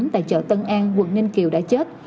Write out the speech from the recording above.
tại chợ tân an quận ninh kiều đã chết